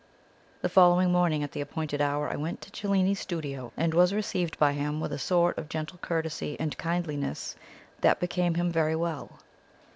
The following morning at the appointed hour, I went to Cellini's studio, and was received by him with a sort of gentle courtesy and kindliness that became him very well.